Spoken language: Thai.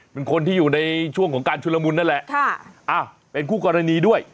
เป็นคนที่อยู่ในช่วงของการชุลมุนนั่นแหละค่ะอ้าวเป็นคู่กรณีด้วย